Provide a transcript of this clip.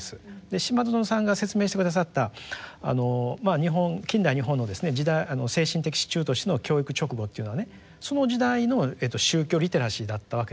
島薗さんが説明して下さった近代日本の精神的支柱としての教育勅語というのはねその時代の宗教リテラシーだったわけですよ。